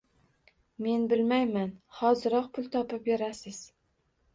Men bilmayman hoziroq pul topib berasiz